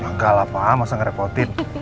nggak lah pak masa ngerepotin